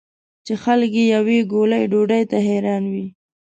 چې خلک یې یوې ګولې ډوډۍ ته حیران وي.